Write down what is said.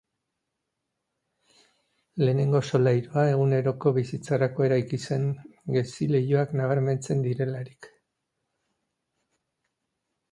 Lehenengo solairua eguneroko bizitzarako eraiki zen, gezileihoak nabarmentzen direlarik.